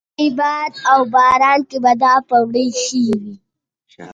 د ژمي په باد و باران کې به دا پوړۍ ښویې وې.